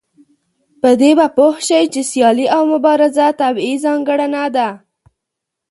په دې به پوه شئ چې سيالي او مبارزه طبيعي ځانګړنه ده.